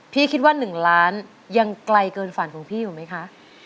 คิดว่า๑ล้านยังไกลเกินฝันของพี่อยู่ไหมคะ